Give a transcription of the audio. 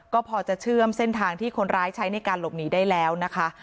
ก็พอจะเชื่อมเส้นทางที่คนร้ายใช้ในการหลบหนีได้แล้วนะคะ